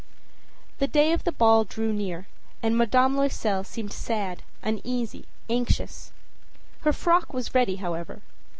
â The day of the ball drew near and Madame Loisel seemed sad, uneasy, anxious. Her frock was ready, however.